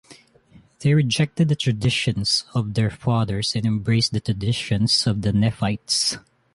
They rejected the traditions of their fathers and embraced the traditions of the Nephites.